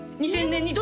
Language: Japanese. ２０００年に？